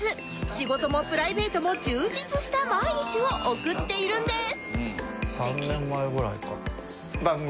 仕事もプライベートも充実した毎日を送っているんです